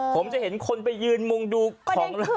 ผมจะเห็นคนไปยืนมุมดูของ